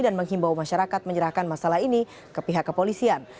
dan menghimbau masyarakat menyerahkan masalah ini ke pihak kepolisian